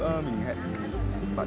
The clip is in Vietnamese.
chứ nữa mình hẹn bạn gái mình đến đây